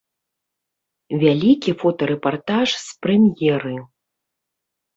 Вялікі фотарэпартаж з прэм'еры.